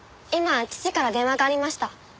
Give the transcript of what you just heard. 今父から電話がありました。